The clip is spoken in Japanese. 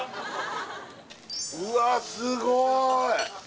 うわすごーい！